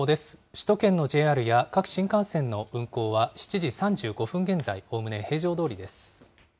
首都圏のＪＲや各新幹線の運行は７時３５分現在、おおむね平常どおりです。